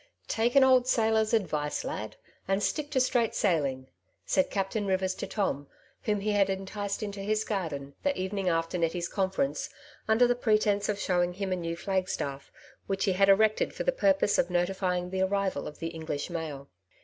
'^ Take an old sailoi''s advice, lad, and stick to straight sailing,^' said Captain Rivers to Tom, whom he had enticed into his garden the evening after Nettie's conference, under the pretence of showing him a new flagstaff, which he had erected for the purpose of notifying the arrival of the English mail.